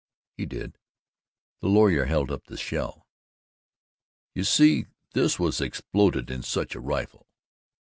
"He did." The lawyer held up the shell. "You see this was exploded in such a rifle."